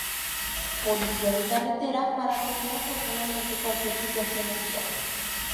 Policía de carretera para atender oportunamente cualquier situación en vía.